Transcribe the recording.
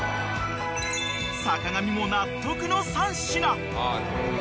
［坂上も納得の３品］